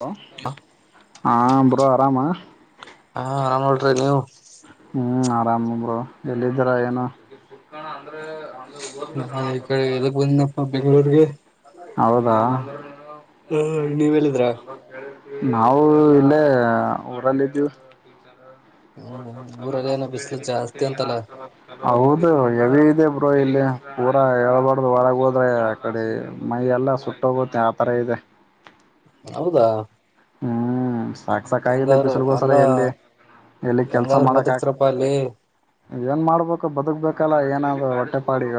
ಹೋ ಹ ಬ್ರೋ ಆರಾಮ ಅ ನೀವು ಹ್ಮ್ ಆರಾಮರು ಎಲ್ಲಿದ್ದರ ಏನು ನಾ ಈ ಕಡೆ ಎದಕ್ ಬಂದನಪ್ಪ ಬೆಂಗಗಳೂರ್ಗೆ ಹೌದಾ ಹ ನೀವಲ್ಲಿದ್ರ ನಾವು ಇಲ್ಲೇ ಊರಲ್ಲಿದ್ದೀವು ಹ್ಮ್ ಊರಲ್ಲಿ ಏನ ಬಿಸ್ಲು ಜಾಸ್ತಿ ಅಂತಲ್ಲ ಹೌದು ಇದೇ ಬ್ರರು ಇಲ್ಲಿ ಪೂರಾ ಹೇಳೇಳ್ಬಾರ್ದ ಒಳಗ ಹೋದ್ರೆ ಆ ಕಡೆ ಮೈ ಎಲ್ಲಾ ಸುಟ್ಟೋಗುತ್ತೆ ಆತರ ಇದೆ ಹೌದಾ ಹ್ಮ ಸಾಕ್ ಸಾಕಿದ್ದ ಹೆಂಗಾದ್ರ ಬಿಸಿಲುಗೋಸ್ರ ಅಲ್ಲಾ ಎಲ್ಲಿ ಎಲ್ಲಿ ಕೆಲ್ಸ ಹೆಂಗಾದ್ರೂ ಮಾಡಕ್ಕ್ ಬದುಕ್ತರಪ್ಪ ಅಲ್ಲಿ ಏನ್ ಮಾಡ್ಬೇಕು ಬದುಕ್ಬೇಕಲ್ಲ ಏನ್ ಒಟ್ಟೆಪಾಡಗ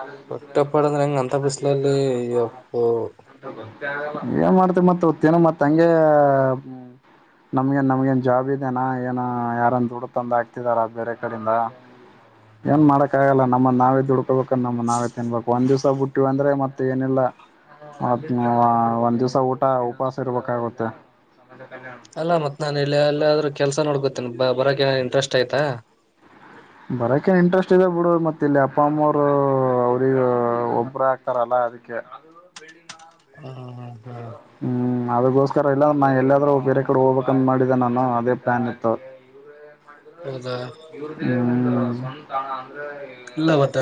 ಾಲ ಹೊಟ್ಟೆಪಾಡ ಅಂದ್ರೆ ಹೆಂಗ ಅಂತ ಬಿ ಏನ್ ಬಿಸ್ಲಲ್ಲಿ ಯಪ್ಪೋ ಹೇಳ್ತಾರ ಗ ಮ ತ್ತನ ಮತ್ ಹಂಗೆ ನಮ್ಗೆ ನಮ್ಗನ್ ಜಾಬ್ ಇದೆನಾ ಏನ ಯಾರನ್ ದುಡ್ಡು ತಂದ ಆಗ್ತಿದಾರ ಬೇರೆ ಕಡೆಯಿಂದ ಏನ್ ಮಾಡಕ ಆಗಲ್ಲ ನಮ್ಮನ್ ನಾವೇ ದುಡು ಬೇಕ ನಮ್ಮ ನಾವ ತಿನ್ಬೇಕು ಒಂದ ದಿವಸ ಬಿುಟ್ಟಿವ ಅಂದ್ರೆ ಮತ್ತೆ ಏನಿಲ್ಲ ಮ ಒಂದ್ ದಿವ್ಸ ಊಟ ಉಪಾಸ ಸರ್ಬೇಕಾಗುತ್ತೆ ಅಲ್ಲ ಮತ್ ನಾನನ್ ಹೇಳಿ ಅಲ್ಲಿಾದ್ರೂ ಕೆಲ್ಸ ನೋಡ್ಬೇಕೊತ್ತ ಬರಕ ಇಂಟ್ರೆಸ್ಟ್ ಆಯ್ತಾ ಬರಕೇನ್ ಇಂಟ್ರೆಸ್ಟ್ ಇ ಬಿಡು ಮತ್ತೆ ಇಲ್ಲಿ ಅಪ್ಪ ಅಮ್ಮವರು ಅವ್ರಗ ಒಬ್ಬರ ಆಕ್ತಾರಲ್ಲ ಅದಕ್ಕೆ ಹ್ಮ ಹ್ಮ್ ಹ್ಮ್ ಅದಕ್ಕೋಸ್ಕರ ಇಲ್ಲ ನಾ ಎಲ್ಲಾದ್ೂ ಬೇರೆ ಕಡೆ ಹೋಗ್ಬೇಕ ಅ ಮಾಡಿದ್ದೆ ನಾನು ಅದೇ ಪ್ಲಾನ್ ಇತ್ತು ಹೌದಾ ಹ ಇಲ್ಲವತ್ತ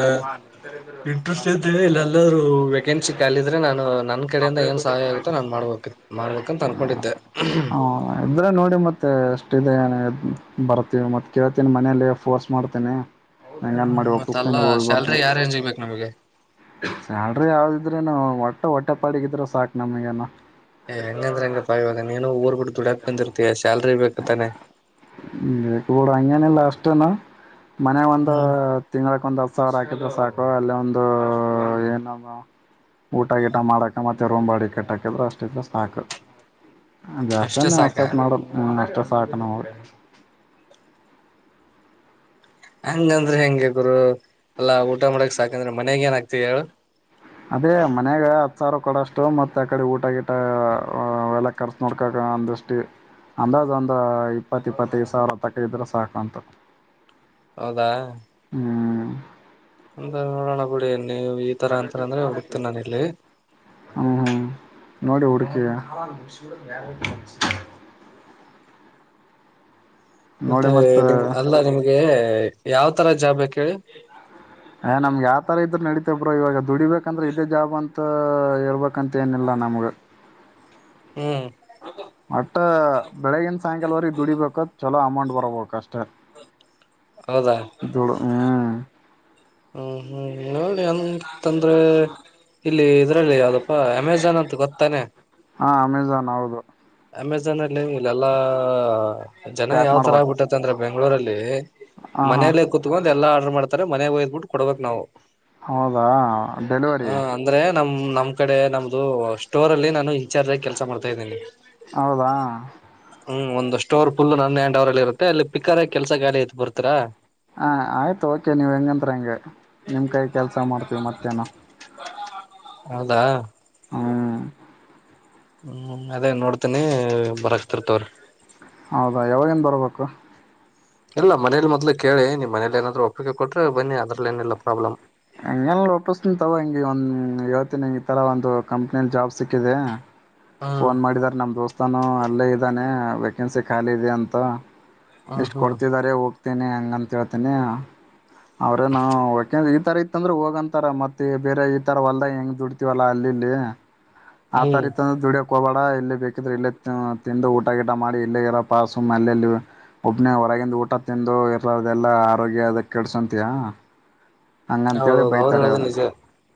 ಇಂಟ್ರೆಸ್ಟ್ ಇದ್ದ ಇಲ್ಲ ಎಲ್ಲರೂ ವೇಕೆನ್ಸಿ ಖಾಲಿ ಅ್ರೆ ನಾನು ನನ್ ಹ ಕಡೆಯಿಂದ ಏನ್ ಸಹಾಯ ಆಗುತ್ತೋ ನಾನ್ ಮಾಡ್ಬೇಕ ಮಾಡ್ಬೇಕಂತ ಅನ್ಕೊಂಡಿದ್ದೆ ಇದ್ರೆ ನೋಡಿ ಮತ್ತೆ ಟ್ಟ ಬರ್ತೀವಿ ಮತ್ ಕೇಳ್ತಿನ ಮನೇೆಯಲ್ಲಿ ಫೋರ್ಸ್ ಮಾಡ್ತೇನಿ ಹ್ಮ್ ಮತ್ತ ಅಲ್ಲ ಶ್ಯಲ್ರಿ ಯಾವ ರೇಂಜ್ ಇ ಬಕ್ ನಮಗೆ ಸ್ಯಾಲ್ರಿ ಯಾವ್ದದಿದ್ರೆ ನಾವು ಒಟ್ಟ ಒಟ್ಟೆ ಇ ಪಾಡಗಿದ್ರರು ಸಾಕು ನಮಗಏನ ಏ್ಂಗಂದ್ರೆ ಹೆಂಗಪ್ಪಾ ಇವಾಗ ನೀನು ಊರ್ ಬಿಡು ದುಡಾಕ್ ಬಂದರ್ತತಿಾ ಸ್ಯಲ್ರಿ ಹ್ಮಬಳ ಅ ಲಾಸ್ಟ್ನ ಮನೆ ಒಂದು ಹ್ಮ್ ತಿಂಗ್ಗಳಕ್ ಒಂದ ಸಾರ ಹಾಕಿದ್ರೆ ಸಾಕು ಅಲ್ಲ ಒಂದು ಏನ ಊಟ ಗೀಟ ಮಾಡಕ ಮತ್ತೆ ರೂಮ್ ಬಾಡಿ ಕಟ್ಟಾಕಿದ್ರೆ ಅಷ್ಟಿದ್ರ ಸಾಕು ಅಷ್ಟೇ ಸಾಕ. ಜಾಸ್ತಾನಾತ ಮಾಡೋಲ್ಲ ಷ್ಟ ಸಠ ನೌ ಹಂಗಂದ್ರೆ ಹೆಂಗೆ ಗುರು ಎಲ್ಲಾ ಊಟ ಮಾಡಕ್ ಸಾಕಂದ್ರೆ ಮನೆಾಗ ಏನ್ ಆಗ್ತವಿ ಹೇಳು ಸಾವಿ ಕೊಡ ಅಷ್ಟು ಮತ್ತೆ ಆ ಕಡೆ ಊಟ ಗಿಟ ಎಲ್ಲ ಕರ್ಸ ನೋಡ್ಕಕ ಅಂದಷ್ಟಿ ಅಂದಾಜ ಒಂದು ಇಪ್ಪತ್ತ ಇಪ್ಪತ್ತೈದು ಸಾವಿರ ತಕ್ಕ ಇದ್ರೆ ಸಾಕುಂತ ಹೌದಾ ಹ [inaudible] ಅಂದ ನೋಡಣ್ ನೀವು ಈ ತರ ಅಂತರ ಅಂದ್ರೆ ಹುಡುಕ್ತೇನಿ ನಾನ ಇಲ್ಲಿ ಹ್ಮ್ ಹ್ಮ್ ನೋಡಿ ಹುಡುಕಿ ಮತ್ತೆ ನೋಡಿ ಮತ್ತ ನಿಮ್ ಅಲ್ಲ ನಿಮ್ಗೆ ಯಾವ ತರ ಜಾಬ್ ಬೇಕ್ ಹೇಳ್ ಮಬ್ರೊ ಇವಾಗ ದುಡಿಬೇಕಂದ್ರೆ ಇದೇ ಜಾಬ್ ಅಂತ ಹೇಳ್ಬೇಕಂತ ಏನಿಲ್ಲ ನಮ್ಗ ಹ್ಮ್ ಮಟ್ಟ ಬೆಳಗಿನ ಸಾಯಂಕಾಲವರ್ಗ್ ಇದ್ ದುಡಿಬೇಕಾದ ಚಲೋ ಅಮೌಂಟ್ ಬರಬೋಕ ಅಷ್ಟೆ ಹೌದಾ ದೊಡ್ ಹಾ ಹ ಹ್ಮ್ ಹ್ಮ್ ನೋಡ್ ಅನ್ತಂದ್ರೆ ಇಲ್ಲಿ ಇದ್ರಲ್ಲಿ ಯಾವ್ದಪ್ಪ ಹ ಅಮೆಝನ್ ಅಂತ್ ಗೊತ್ತಾನೆ ಹಾ ಅಮೆಝಾನ್ ಹೌದು ಅಮೆಝನ್ಲ್ಲಿ ಎನ್ ನೀವ್ ಇಲ್ಲೆಲ್ಲಾ ಜನ ಪ್ಯಾಕ್ ಯಾವ್ ತರ ಮಾಡ್ಬೇಕು ಆಗ್ಬಿಟ್ಟತ್ತ ಅಂದ್ರ ಬೆಂಗಳೂರಲ್ಲಿ ಹ ಹಾ ಮನೇಲ್ಲ ಕುೂತ್ಕೊಂಡು ಎಲ್ಲಾ ಆರ್ಡರ್ ಮಾಡ್ತ ಮನೆಗ್ ಹೊಯ್ಬಿಟ್ಟು ಕೊಡ್ಬೇಕ್ ನಾವು ಹೌದಾ ಡೆಲಿವರಿ ನಮ ನಮ್ ಕಡೆ ನಮ್ದು ಸ್ಟೋರ್ ಅಲ್ಲಿ ನಾನು ಇನ್ಚಾರ್ಜ್ ಆಗಿ ಕೆಲಸ ಮಾಡ್ತಾ ಇದ್ದೇನಿ ಹೌದಾ ಹ್ಮ್ ಒಂದು ಸ್ಟೋರ್ ಫುಲ್ ನನ್ ಹ್ಯಾಂಡ್ ಅವರ್ಲ್ಲಿ ಇರುತ್ತೆ ಅಲ್ಲಿ ಪಿಕ್ಕರ್ ಕೆಲ್ಸಗಾರ್ ಐತ್ ಬರ್ತೀರಾ ಹ ಆಯ್ತು ಓಕೆ ನೀವ್ ಹೆಂಗಂತ್ರ ಹಂಗೆ ನಿಮ್ ಕೈ ಕೆಲಸ ಮಾಡ್ತೀವಿ ಮತ್ತೇನು ಹೌದಾ ಹ್ಮ್ ಹ್ಮ್ ಅದೇ ನೋಡ್ತೇನಿ ಬರಕ್ತಿರ್ತವ್ರೀ ಹೌದಾ ಯಾವಾಗಿನ್ ಬರ್ಬೇಕು? ಇಲ್ಲ ಮನೇಲಿ ಮೊದ್ಲು ಕೇಳಿ ನೀವು ಮನೇಲಿ ಏನಾದ್ರು ಒಪ್ಪಿಗೆ ಕೊಟ್ರೆ ಬನ್ನಿ ಅದ್ರಲ್ಲ್ ಏನಿಲ್ಲ ಪ್ರಾಬ್ಲಮ್ ಹಂಗ್ ಎನ್ ಒಪಿಸ್ತಿನ್ತವ್ ಹ ಒಂದ್ ಹೇಳ್ತಿನಿ ಈತರ ಒಂದು ಕಂಪ್ನಿಲ್ಲಿ ಜಾಬ್ ಸಿಕ್ಕಿದೆ ಹ್ಮ್ ಫೋನ್ ಮಾಡಿದಾರ ನಮ್ ದೋಸ್ತಾನ ಅಲ್ಲೇ ಇದ್ದಾನೆ ವೆೇಕೆನ್ಸಿ ಖಾಲಿ ಇದೆ ಅಂತ ಹ್ಮ್ ಎಷ್ಟು ಹ್ಮ್ ಕೊಡ್ತಿದಿದ್ದಾರೆ ಹೋಗ್ತೇನೆ ಹ ಅಂತ ಹೇಳ್ತೀನಿ ಅವ್ರ ನಾವ್ಕ ಇದ್ ಈ ತರ ಇತ್ತ ಅಂದ್ರೆ ಹೋಗಂತಾರ ಮತ್ತೆ ಬೇರೆ ಈ ತರವಲ್ಲ್ಂಗ್ದ ಹೆಂಗ ದುಡ್ತಿವಲ್ಲ ಅಲ್ಲಿ ಇಲ್ಲಿ ಆ ಹ್ಮ್ ತರ ತ ದುಡಿಯ ಕುಕೋಬೇಡ ಇಲ್ಲೇ ಬೇಕಿದ್ರೆ ಇಲ್ಲೇ ತಿಂದು ಊಟ ಗಿಟ ಮಾಡಿ ಇಲ್ಲೇ ಇರ ಪಾಸು ಮಲೆಲ್ಲಿ ಒಬ್ನೇ ಹೊರಗಂದು ಊಟ ತಿಂದು ಇರದೆಲ್ಲ ಆರೋಗ್ಯ ಅದ ಕೆಡಸಂತಿಯಾ ಹೌದೌದು ಅವ್ರು ಹೇಳುದು ನಿಜ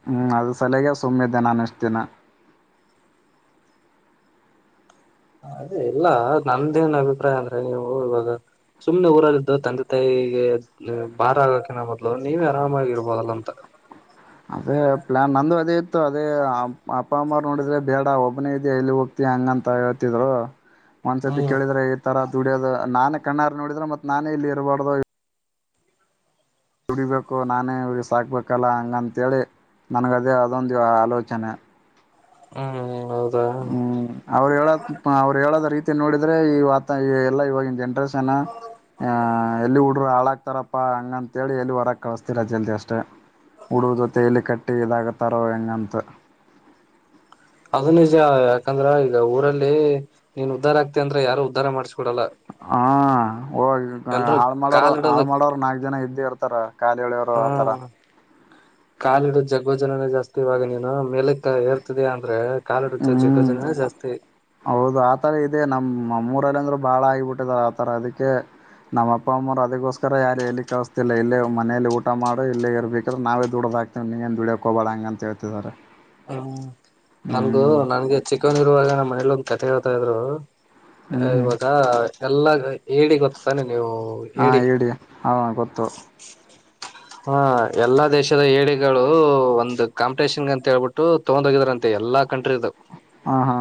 ಹ್ಮ್ ಅದು ಸಲಗೆ ಸುಮ್ಮನೆ ದಿನ ಇಷ್ಟ್ದಿನ ಅದೇ ಇಲ್ಲ ನಂದೇನ್ ಅಭಿಪ್ರಾಯ ಅಂದ್ರೆ ನೀವು ಇವಾಗ ಸುಮ್ನೆ ಊರಲ್ಲಿದ್ದು ತಂದೆ ತಾಯಿಗೆ ಬಾರ ಆಗಕಿನ ಮೊದ್ಲು ನೀವೇ ಆರಾಮಾಗಿರ್ಬದಲ್ಲ ಅಂತ ಅದೇ ಪ್ಲಾನ್ ನಂದು ಅದೇ ಅಪ್ಪ ಅಮ್ಮ ನೋಡಿದ್ರೆ ಬೇಡ ಒಬ್ಬನೇ ಇದ ಇಲ್ಲಿ ಹೋಗತಿ ಹಂಗ ಅಂತ ಹೇಳ್ತಿದ್ರು ಒಂದ್ಸತಿ ಹ್ಮ್ ಕೇಳಿದ್ರೆ ಈ ತರ ದುಡಿಯೋದು ನಾನ ಕ ಣ್ಣಾರ್ ನೋಡಿದ್ರ ಮತ್ತ ನಾನೇ ಇಲ್ಲಿ ಇರಬಾರ್ದು ದುಡೀಬೇಕು ನಾನೇ ಹುಗ ಸಾಕ್ಬೇಕಲ್ಲ ಹಂಗಂತೇಳಿ ನನಗದೇ ಅದೊಂದು ಯ ಆಲೋಚನೆ ಹ್ಮ್ ಹೌದಾ ಹ್ಮ್ ಅವ್ರು ಹೇಳದ ಅವ್ರು ಹೇಳದ ರೀತಿ ನೋಡಿದ್ರೆ ಈತ ಈ ಎಲ್ಲಾ ಇವಾಗಿನ ಜನ್ರೇಷನ್ ಅ ಎಲ್ಲಿ ಹುಡುರು ಹಾಳಾಗಕ್ತಾರಪ್ಪಾ ಹಂಗ ಅಂತ ಹೇಳಿ ಎಲ್ಲಿ ಹೊರ ಕಳಸ್ತಿರತಿ ಎಲ್ದ ಅಷ್ಹುಡಗುರ್ ಜೊತೆ ಎಲ್ಲಿ ಕಟ್ಟಿ ಇದಾಗತಾರೋ ಹೆಂಗಂತ ಅದ ನಿಜ ಯಾಕಂದ್ರ ಈಗ ಊರಲ್ಲಿ ನೀನ್ ಉದ್ಧಾರ ಆಗ್ತಿ ಅಂದ್ರ ಯಾರು ಉದ್ಧಾರ ಮಾಡ್ಸ ಹ ಓ ಈ ಎಲ್ರೂ ಹಾಳು ಮಾಡೋರು ಕಾಲ್ ಇಡೋದ ಹಾಳು ಮಾಡೋರು ನಾಲ್ಕ ಜನ ಇದ್ದೇ ಇರ್ತ ಸರಾ ಹಾ ಕಾಲಿಡ ಜಗ್ಬಜನನ ಇವಾಗ ನೀನು ಮೇಲಕ್ಕ ಹೇರ್ತಿದಯ ಅಂದ್ರೆ ಕಾಲಿಡ ಜಗ್ಗೋ ಹ್ಮ್ ಜನನೇ ಜಾಸ್ತಿ ಹೌದು ಆತರ ಇದೆ ನಮ್ಮಮ್ಮೂ ಅಂದ್ರರು ಬಾಳ ಆಗಿಬ ಬಿಟ್ಟಿದಿದ್ದಾರೆ ಆತರ ಅದಕ್ಕೆ ನಮ್ಮ ಅಪ್ಪ ಅಮ್ಮರು ಅದಕ್ಕೋಸ್ಕರ ಯಾರು ಎಲ್ಲಿ ಕಳಸ್ತಿಲ್ಲ ಇಲ್ಲೇ ಮನೇಲಿ ಊಟ ಮಾಡು ಇಲ್ಲೇ ಇರ್ಬೇಕ್ರೆ ನಾವ ದುಡದ ಹಾಕ್ತಿವಿ ನೀ ನ್ ದುಡಿಯಕಕ್ ಹೋಗಬೇಡ ಹಂಗ ಅಂತ ಹೇಳ್ತಿದಿದ್ದಾರೆ ಹ್ಮ ನನ್ಗು ನನ್ಗೆ ಚಿಕ್ಕವಂದ ಇರುವಾಗ ನಮ್ಮ ಮನೇಲಿ ಒಂದಂದು ಕತೆ ಹತ ಇದ್ರು ಹ್ಮ್ ಹ್ಮ್ ಇವಾಗ ಎಲ್ಲ ಗ ಹೇಳಿ ಗೊತ್ತ ತಾನೆ ನೀವು ಹೇಳಿ ಹ ಗೊತ್ತು ಹ ಎಲ್ಲಾ ದೇಶದ ಏಳಿಗಳು ಒಂದು ಕಾಂಪಿಟೇಷನ್ ಅಂತ ಹೇಳ್ಬಿಟ್ಟು ತಗೊಂಡೋಗಿದಾರಂತೆ ಎಲ್ಲಾ ಕಂಟ್ರಿದ ಹಾ ಹಾ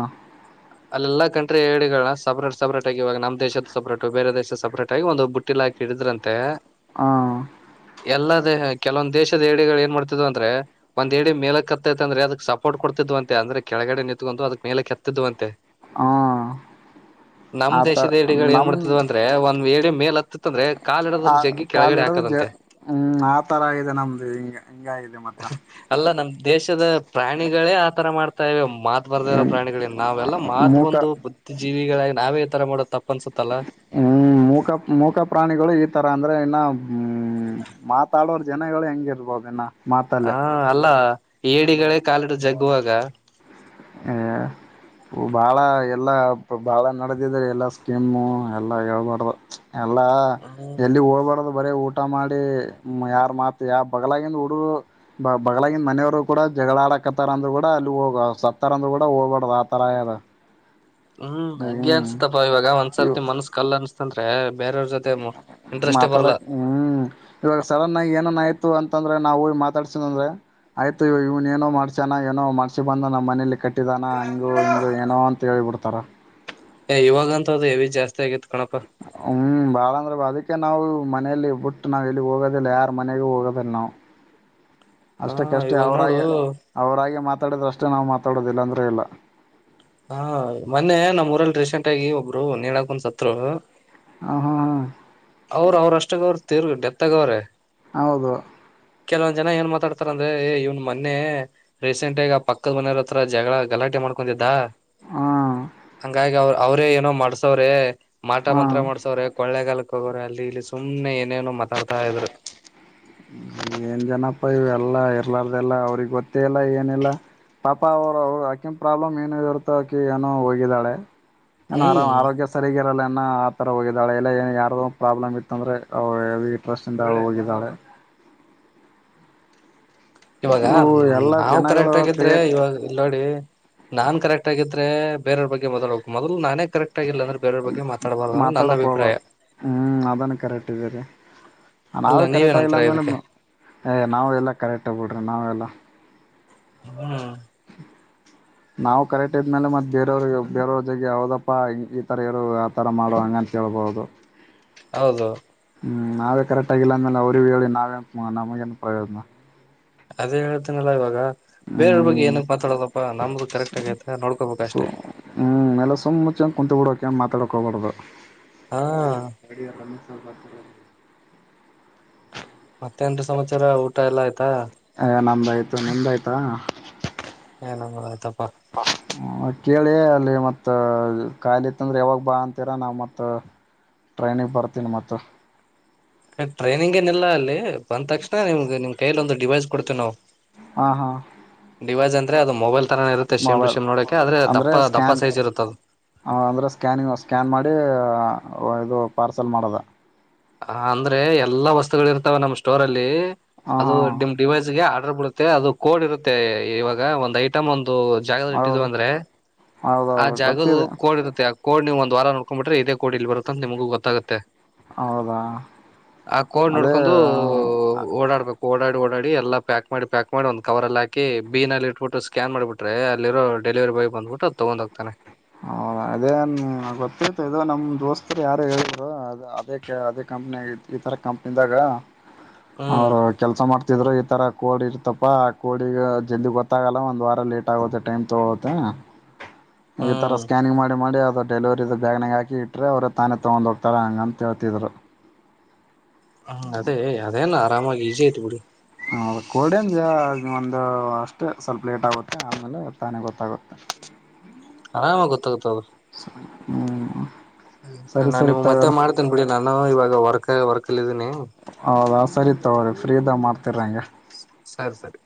ಅಲ್ಲೆಲ್ಲ ಕಂಟ್ರಿ ಹೇಳಿಗಳನ್ನ ಸಪ್ರೇಟ್ ಸಪ್ರೇಟ್ ಆಗಿ ಇವಾಗ ನಮ್ಮ ದೇಶದು ಸಪರೇಟ್ ಬೇರೆ ದೇಶದ ಸಪ್ರೇಟ್ ಆಗ ಒಂದು ಬಟ್ಟಿ ಹಾಕಿಡಿದ್ರಂತೆ ಹಾ ಎಲ್ಲಾ ದಹ ಕೆಲೊಂದ ದೇಶದಏಡಿ ಏನ್ ಮಾಡ್ತ್ ಅಂದ್ರ ಒ್ ಿಡಿ ಮೇಲೆಕ್ಕೆ ಕತ್ತತೈತೆ ಅಂದ್ರ ಅದಕ್ ಸೋರ್ಟ್ ಕೊಡ್ತಿದ್ವಂತೆ ಅಂದ್ರೆ ಕೆಳಗಡೆ ನಿಂತತ್ಕೊಂಡು ಅದಕ್ ಮೇಲೆಕ್ಕೆ ಕತ್ತಿದ್ವಂತೆ ಹಾ ನಮ ಆತ ದೇಶದ ಹಗಳು ಏನ್ ನಮ್ ಮಾಡ್ತದ ಅಂದ್ರೆ ಒಂದ್ ಏ ಮೇಲತ್ತ ಅಂದ್ರೆ ದ್ರ ಕಾಲಿಡದ ಆ ಜಗ್ಗಿ ಕಾಲು ಕೆಳಗಡೆ ಹಿಡದು ಜ ಹಾಕದಂತೆ ಹ್ಮ್ ಆ ತರ ಇದೆ ನಮ್ದು ಹಿಂಗ ಹಿಂಗಾಗಿದೆ ಮತ್ತ ಅಲ್ಲ ನಮ ದೇಶದ ಪ್ರಾಣಿಗಳೇ ಆತರ ಮಾಡ್ತ ಸ ಮಾತ್ ಬರ್ದೇ ಇರೋ ಪ್ರಾಣಗಳಿಗೆ ನಾವೆಲ್ಲ ಮಾತಾ ಮೂಕ ಬಂದು ಬುದ್ಧಿಜೀವಿಗಳಾಗಿ ನಾವೇ ಈ ತರ ಮಾಡ ಹ್ಮ್ ಮೂಕ ಮೂಕ ಪ್ರಾಣಿಗಳು ಇ ತರ ಅಂದ್ರೆ ಇನ್ನು ಹ್ಮ ಮಾತಾಡೋರ್ ಜನಗಳು ಹೆಂಗಿರ್ಬೋದು ಇನ್ನು ಹಾ ಅಲ್ಲ ಏಡಿಗಗಳ ಕಾಲಿಡ ಜಗ್ ಹಗುವಾಗ ಹ ಬಾಳ ಎಲ್ಲ ಬಾಳ ನಡೆದಿದ್ರ ಎಲ್ಲಾ ಸ್ಕೀಮು ಎಲ್ಲ ಹೇಳ್ಬಾರಡ್ರ ಅಲ್ಲ ಹ್ಮ್ ಎಲ್ಲಿ ಹೋಗಬಾರ್ದ ಬರೇ ಊಟ ಮಾಡಿ ಯಾರ ಮಾತ್ ಯ ಬಗ್ಲಾಗಿನ ಹುಡುಗರು ಬಗ್ಲಾಗಿನ ಮನೆಯವರು ಕೂಡ ಜಗಳ ಆಡಕತ್ತಾರ ಅಂದ್ರರು ಕೂಡ ಅಲ್ಲಿ ಹೋಗ ಸತ್ತಾರಂದ ಕೂ ಹೋಗಬಡ್ದ ಆತರ ಯದ ಹ್ಮ್ ಹಂಗೆ ಅನ್ಸತಪಾ ಇವಾಗ ಇ ಒಂದ್ಸರ್ತಿ ಮನ್ಸ್ ಕಲ್ ಅನ್ಸ್ತಂದ್ರೆ ಬೇರೆಯವ್ರ ಜೊತೆ ಇಂಟ್ರೆಸ್ಟೇ ಬರಲ್ಲ ಮಾತಾಡಕ್ ಹ್ಮ್ ಇವಾಗ ಸಡನ್ ಆಗಿ ಏನನ್ ಆಯ್ತು ಅಂತಂದ್ರೆ ನಾವು ಮಾತಡ್ಸೀ ಅಂದ್ರೆ ಆಯ್ತು ಇವನ್ ಏನೋ ಮಾಡಸಣ ಏೋ ಮಾಡಸಿ ಬಂದ ನ್ ಮನೇಲಿ ಕಟ್ಟ ಟ್ಟಿದಾನ ಹಂಗು ಹಂಗ ಏನೋ ಅಂತ ಹೇಳಿಬಿಡ್ತ ತ್ತರ ಇವಾಗ ಅಂತ ಅದು ಹೆವಿ ಜಾಸ್ತಿ ಆಗಿತ್ತು ಹ್ಮ್ ಬಾಳ ಅಂದ್ರೆ ಬಾದ ನಾವು ಮನೆಯಲ್ಲಿ ಬಿಟ್ಟು ನಾವು ಎಲ್ಲಿ ಹೋಗೋದಿಲ್ಲ ಯಾರು ಮನೆಗೂ ಹೋಗೋದಿಲ್ಲ ನಾವು ಹ ಅಷ್ಟಕ್ಕಷ್ಟೇ ಇವಾಗ ನೋಡು ಅವರಾಗ ಮಾತಾಡಿದ್ರಷ್ಟೇ ನಾವು ಮಾತಾಡೋದಿಲ್ಲ ಅಂದರೆ ಇಲ್ಲ ಹಾ ಮೊನ್ನೆ ನಮ್ಮ್ ಊರಲ್ಲಿ ರೀಸೆಂಟ್ ಆಗಿ ಒಬ್ರು ನೀನಕಂದ ಸತ್ರು ಹ ಹಾ ಹಾ ಅವ್ರ ಅವ್ರ ಅಷ್ಟಾಗ ಅವ್ರ ತೀರ್ಗ ಡೆತ್ ಆಗ ಅವ್ರೆ ಹೌದು ಕೆಲವೊಂದ್ ಜನ ಏನ್ ಮಾತಾಡ್ತಾರ ಅಂದ್ರೆ ಇವ್ನ್ ಕೆಲವೊಂದು ಜನ ಏನ್ ಮಾತಾಡತಾರೆ ಅಂತ್ರೆ ಎ ಮೊನ್ನೆ ರೀಸೆಂಟ್ಗ ಪಕ್ಕದ ಮನರ ಹತ್ರ ಜಗಳ ಗಲಾಟೆ ಮಾಡ್ಕೊೊಂಡಿದ್ದ ಹಾ ಹಂಗಾಗಿ ಅವ ಅವ್ರೇ ಏನೋ ಮಾಡ್ಸವ್ರೆ ಮಾಟ ಹಾ ಮಂತ್ರ ಮಾಡ್ಸವ್ರೆ ಕೋಳ್ಳೆಗಾಲ ಅಲ್ಲಿ ಇಲ್ಲಿ ಸುಮ್ಮನೆ ಏನೇನೋತ್ತ ಏನ್ ಜನಪ್ಪ ಎಲ್ಲಾ ಇರ್ಲಾರ್ದಲ್ಲಾ ಅವ್ರಗ್ ಗೊತ್ತೇ ಇಲ್ಲ ಏನಿಲ್ಲ ಪಾಪಾ ಅವರು ಅವರು ಆಕಿನ್ ಪ್ರಾಬ್ಲಮ್ ಏನು ಇರುತಕಿ ಏನೋ ಹೋಗಿದ್ದಾಳೆ ನಾನು ಆರಾಮ ಹ್ಮ್ ಆರೋಗ್ಯ ಸರಿ ಲ್ಲ ಆ ತರ ಹೋಗಿದ್ದಾಳೆ ಎಲ್ಲ ಏನ್ ಯಾರೋ ಪ್ರಾಬ್ಲಮ್ ಇತ್ತ ಅಂದ್ರೆ ಸ್ಿಂದ ಹೋಗಿದ್ದಾಳೆ ಇವಾಗ ಇವು ಎಲ್ಲ ನಾವು ಜನಗಳು ಕರೆಕ್ಟ್ ಆಗಿದ್ರೆ ಕ್ರಿಯೇಟ್ ಇವಾಗ ಇಲ್ ನೋಡಿ ನಾನ್ ಕರೆಕ್ಟ್ ಆಗಿದ ಬೇರವ ಬಗ್ಗೆದಡಬೇಕು ಮೊದಲು ನಾನೆ ಕರೆಕ್ಟ್ ಆಗಿಲ್ಲ ಅಂದ್ರೆ ಬೇರವ್ರ ಬಗ್ಗೆ ಮಾತಾಡಬಾರ್ದು ಅದು ನನ್ನ ಮಾತಾಡೋಕ್ಕೆ ಅಭಿಪ್ರಾಯ ಹೋಗಬೇಡ ಅಲ್ಲ ನಾವೇ ಕರೆಕ್ಟ್ ಆಗಿಲ್ಲ ನೀವೇನಂತೀರಾ ಇದಕ್ಕೆ ಅಂದ್ಮೇಲೆ್ ನಾವು ಎಲ್ಲಾ ಕರೆಕ್ಟ್ ಆಗ್ಬಿಡ್ವಿ ಪ್ರಣಾವಲ್ಲ ಹ್ಮ ನಾವು ಕರೆಕ್ಟ್ ಇದ್ಮೇಲೆ ಮತ್ತೆ ಬೇರೆಯವ್ರಿಗೆ ಬೇರವ್ರ ಜಗೆ ಹಾವದಪ್ಪ ಈ ಥರ ಯಾರೋ ಆ ಥರ ಮಾಡುವ ಹಂಗಂತೇಳ್ಬೋದು ಹೌದು ಹ್ಮ ನಾವೇ ಕರೆಕ್ಟ್ ಆಗಿಲ್ಲ ಅಮೇಲೆ ಅವ್ರಗ ಹೇಳಿ ನಾವೇ ನಮಗೇನು ಪ್ರಯೋಜನ ಅದೇ ಹೇಳ್ತೇನಲ್ಲಾ ಇವಾಗ ಬೇರೆಯವ್ರ ಬಗ್ಗೆ ಹ್ಮ್ ಏನಕ್ ಮಾತಾಡದಪ್ಪಾ ನಮ್ದು ಕರೆಕ್ಟ್ ಆಗೈತ ನೋಡ್ಕೋಬೇಕ ಸೊ ಅಷ್ಟೆ ಏನು ಮಾತಾಡಕ್ ಹೋಬಾರ್ದು ಹ ಅಡಿ ಎಲ್ಲ ಸ್ವಲ್ಪತ ಮತ್ತೆ ಏನ್ರಿ ಸಮಾಚಾರ ಊಟ ಎಲ್ಲ ಆಯ್ತು ಎ ನಮ್ದಾಯ್ತು ನಿಮ್ದಾಯ್ತಾ ಹ ತಪ್ ಹ ಕೇಳಿ ಅಲ್ಲಿ ಮತ್ತೆ ಮತ್ತ ಖಾಲಿತ್ತಂದ್ರೆ ಯಾವಾಗ ಬಾ ಅಂತೀರ ನಾವು ಮತ್ತು ಟ್ರೈನಿಗೆ ಬರ್ತೀನಿ ಮತ್ತ ಟ್ರೈನಿಂಗ್ ಏನಿಲ್ಲ ಅಲ್ಲಿ ಬಂದ ತಕ್ಷಣ ನಿಮ್ಗೆ ನಿಮ ಕೈಲ ಒಂದು ಡಿವೈಸ್ ಕೊಡ್ತೀವಿ ನಾವು ಹಾ ಹಾ ಡಿವೈಸ್ಂದ್ರೆ ಅದು ಮೊಬೈಲ್ ತರಾನೇ ಇರುತ್ತೆ ಸೇಮ್ ಟು ಮೊಬೈಲ್ ಸೇಮ್ ನೋಡಕೆ ಆದ್ರೆ ಅಂದರೆ ದಪ್ಪ ದಪ್ಪ ಸ್ಕ್ಯಾನ್ ಸೈಜ್ ಇರುತ್ತ ಅದು ಅಂದರೆ ಸ್ಕ್ಯಾನಿಂಗ ನಾವ್ ಸ್ಕ್ಯಾನ್ ಮಾಡಿ ಓ ಇದು ಪಾರ್ಸಲ್ ಮಾಡೋದ ಹ ಅಂದ್ರೆ ಎಲ್ಲಾ ವಸ್ತುಗಳ ಇರ್ತಾವ ನಮ್ ಸ್ಟೋರ್ ಅಲ್ಲಿ ಹಾಂ ಅದು ಹಾಂ ಡಿಮ್ ಡಿವೈಸ್ಗೆ ಬಿಡುತ್ತೆ ಅದು ಕೋಡ್ ಇರುತ್ತೆ ಇವಾಗ ಒಂದ ಐಟಮ್ ಒಂದು ದು ಜಾಗದಗ್ ಇಟ್ಟಿದ್ವ ಹೌದು ಅಂದ್ರೆ ಆ ಹೌದೌದು ಜಾಗದು ಗೊತ್ತಿದೆ ಕೋಡ್ ಇರುತ್ತ ಆ ಕೋಡ್ ನೀವು ಒಂದ ವಾರ ನೋಡ್ಕೊಂಡ್ ಬಿಟ್ಟಿ ಇದೇ ಕೋಡ್ ಇಲ್ ಬರುತ್ತ ಅಂತ ನಿಮಗೂ ಗೊತ್ತಾಗತ್ತೆ ಹೌದಾ ಆ ಕೋಡ್ ಅದೇ ನೋಡ್ಕೊಂಡು ಓಡಾಡ್ಬೇಕು ಓಡಾಡಿ ಓಡಾಡಿ ಎಲ್ಲ ಪ್ಯಾಕ್ ಮಾಡಿ ಪ್ಯಾಕ್ ಮಾಡಿ ಒಂದ್ ಕವರ್ಲ್ಲಿ ಹಾಕಿ ಬೀನಲ್ಲಿ ಇಟ್ಬಿಟ್ಟು ಸ್ಕ್ಯಾನ್ ಮಾಡಿಬಿಟ್ರೆ ಅಲ್ಲಿರೋ ಡೆಲಿವರಿ ಬಾಯ್ ಬಂದ್ಬಿಟ್ಟ ಅದು ತೊಗೊಂಡ್ ಹೋಗ್ತಾನ್ ಹ ಅದೇ ಗೊತ್ತತ ಇದು ನಮ್ ದೋಸ್ತರು ಯಾರು ಹೇಳರು ಅದೇ ಅದೇ ಕಂಪ್ನಿ ಈ ತರ ಕಂಪ್ನಿದಾಗ ಹ್ಮ್ ಅವರು ಕೆಲ್ಸ ಮಾಡ್ತ ಗತ್ತಿದ್ರು ಈ ತರ ಕೋಡ್ ಇರ್ತಪ್ಪಾ ಆ ಕೋಡಗೆ ಜಲ್ದಿ ಗೊತ್ತಾಗಲ್ಲ ಒಂದ್ ವಾರ ಲೇಟ್ ಆಗುತ್ತೆ ಟೈಮ್ ತಗೊಳ್ಳುತ್ತೆ ಈ ತರ ಹ್ಮ್ ಸ್ಕಾನಿಂಗ್ ಮಾಡಿ ಡೆಲಿವರಿದ ಬ್ಯ್ನಾಗ ಹಾಕಿ ಇಟ್ಟ್ರ ಅವರು ತಾನೇ ತೊಗೊಂಡು ಹೋಗ್ತಾರೆ ಹಂಗ್ ಅಂತ ಹೇಳ್ತಿದ್ರು ಹ್ಮ್ ಅದೇ ಅದೇನ ನಮಗ್ ಈಸಿ ಆಯ್ತ್ ಬಿಡು ಹ ಕೋಡಿಯಂದು ಜ ಒಂದು ಅಷ್ಟೇ ಸ್ವಲ್ಪ ಲೇಟ್ ಆಗುತ್ತೆ ಆಮೇಲೆ ತಾನೇ ಗೊತ್ತಾಗುತ್ತೆ ಆರಾಮ ಗೊತ್ತಾಗೊತ್ತ ಹ್ಮ ಸರಿ ನಾನ್ ನಿಮ ಮತ್ತೆ ಮಾಡ್ತೇನ್ ಬಿಡಿ ನಾನು ಇವಾಗ ವರ್ಕ್ ವರ್ ಿದನೆ ಹೌದಾ ಸರಿ ತಗ ಫ್ರೀದಾಗ ಮಾಡ್ತಿರ್ರಂಗೆ ಸರಿ ಸರಿ